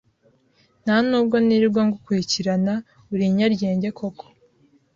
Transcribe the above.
Nta n'ubwo nirirwa ngukurikirana, uri inyaryenge koko